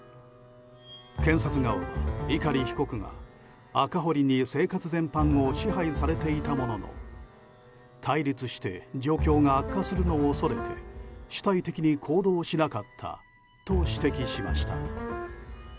検察側は、碇被告が赤堀に生活全般を支配されていたものの対立して状況が悪化するのを恐れて主体的に行動しなかったと指摘しました。